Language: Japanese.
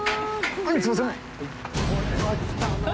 はいすみません。